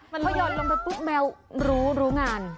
มันยอดลงไปแมวรู้งาน